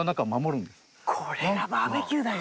これがバーベキューだよ。